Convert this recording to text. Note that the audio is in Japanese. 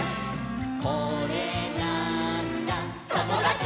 「これなーんだ『ともだち！』」